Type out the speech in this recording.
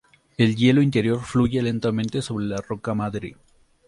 El hielo interior fluye lentamente sobre la roca madre.